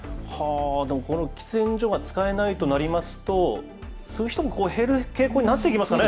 でも、この喫煙所が使えないとなりますと、吸う人も減る傾向になってきますかね。